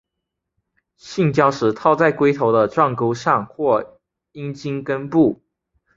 性交时套在龟头的状沟上或阴茎根部。